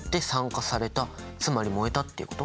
つまり燃えたっていうこと？